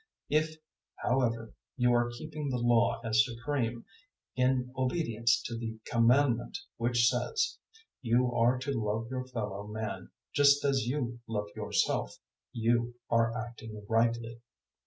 002:008 If, however, you are keeping the Law as supreme, in obedience to the Commandment which says "You are to love your fellow man just as you love yourself," you are acting rightly.